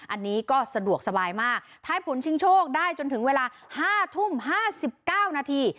อันนี้ก็สะดวกสบายมากทายผลชิงโชคได้จนถึงเวลา๕ทุ่ม๕๙นาที